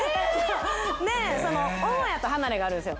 で母屋と離れがあるんですよ。